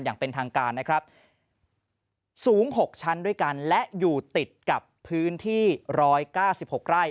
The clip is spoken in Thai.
อย่างเป็นทางการนะครับสูง๖ชั้นด้วยกันและอยู่ติดกับพื้นที่๑๙๖ไร่